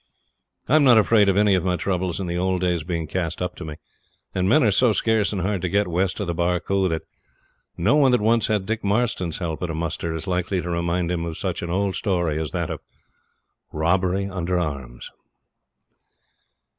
I'm not afraid of any of my troubles in the old days being cast up to me; and men are so scarce and hard to get west of the Barcoo that no one that once had Dick Marston's help at a muster is likely to remind him of such an old story as that of 'Robbery Under Arms'.